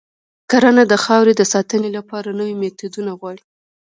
کرنه د خاورې د ساتنې لپاره نوي میتودونه غواړي.